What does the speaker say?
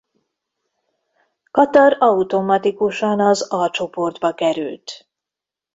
Katar automatikusan az A csoportba került.